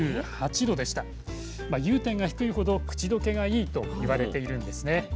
融点が低いほど口どけがいいと言われているんですね。